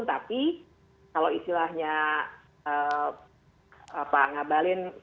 tapi kalau istilahnya pak ngabalin